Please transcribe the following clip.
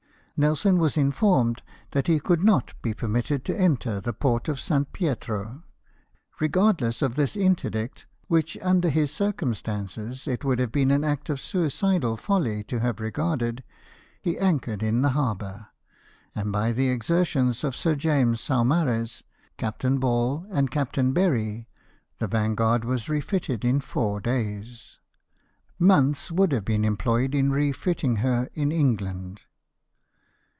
Nelson was informed that he could not be permitted to enter the port of St. Pietro. Regardless of this interdict, which under his circumstances it would have been an act of suicidal folly to have regarded, he anchored in the harbour ; and by the exertions of Sir James Saumarez, Captain Ball, and Captain Berry, the Vanguard was refitted in four days ; months would have been employed in refitting her in England.